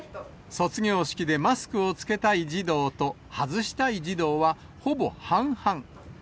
卒業式でマスクを着けたい児童と、外したい児童は、ほぼ半々。